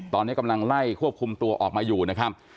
ตอนนี้กำลังไล่ควบคุมตัวออกมาอยู่นะครับ